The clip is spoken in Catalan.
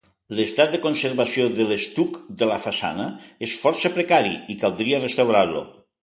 L'estat de conservació de l'estuc de la façana és força precari i caldria restaurar-lo.